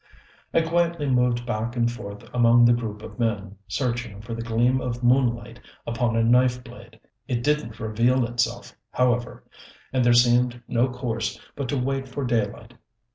I quietly moved back and forth among the group of men, searching for the gleam of moonlight upon a knife blade. It didn't reveal itself, however, and there seemed no course but to wait for daylight.